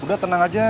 ya udah tenang aja